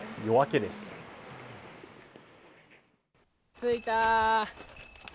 着いた。